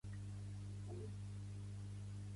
Encara és torturat per l'avorriment, l'orgull i la luxúria.